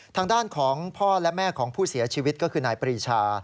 ทางด้านของพ่อและแม่ของผู้เสียชีวิตก็คือนายปรีชา